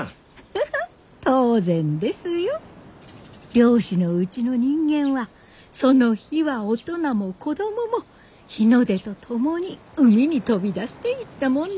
漁師のうちの人間はその日は大人も子供も日の出と共に海に飛び出していったもんです。